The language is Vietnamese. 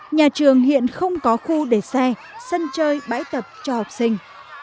nhà trường hiện không có khu để xe sân chơi bãi tập cho học sinh